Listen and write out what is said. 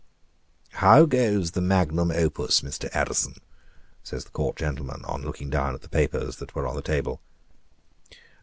"How goes on the magnum opus, Mr. Addison?" says the Court gentleman on looking down at the papers that were on the table.